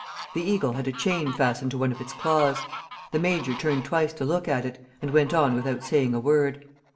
The eagle had a chain fastened to one of its claws. The major turned twice to look at it, and went on without saying a word.